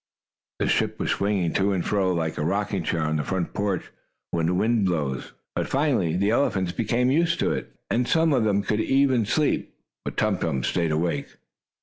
The ship was swinging to and fro, like a rocking chair on the front porch when the wind blows. But finally the elephants became used to it, and some of them could even go to sleep. But Tum Tum stayed awake.